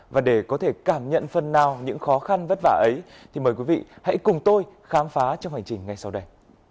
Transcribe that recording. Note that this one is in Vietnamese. và để có thể cảm nhận phần nào những khó khăn vất vả ấy thì mời quý vị hãy cùng tôi khám phá trong hành trình ngay sau đây